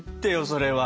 それは！